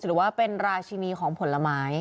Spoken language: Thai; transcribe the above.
หรือว่าเป็นราชินีของผลไม้